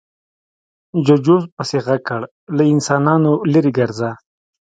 جوجو پسې غږ کړ، له انسانانو ليرې ګرځه.